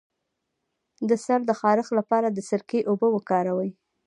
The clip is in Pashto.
د سر د خارښ لپاره د سرکې اوبه وکاروئ